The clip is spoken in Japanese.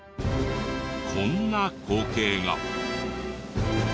こんな光景が。